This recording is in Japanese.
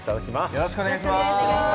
よろしくお願いします。